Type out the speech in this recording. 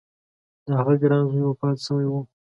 د هغه ګران زوی وفات شوی و.